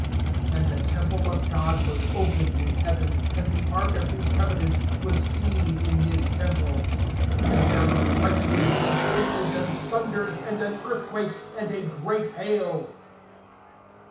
(19)And the temple of God was opened in heaven, and the ark of his covenant was seen in his temple; and there were lightnings, and voices, and thunders, and an earthquake, and a great hail.